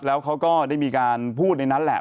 แล้วเขาก็ได้มีการพูดในนั้นแหละ